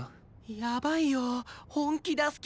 やばいよ本気出す気だ！